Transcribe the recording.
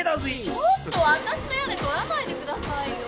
ちょっとわたしのやねとらないでくださいよ！